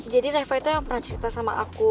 jadi reva itu yang pernah cerita sama aku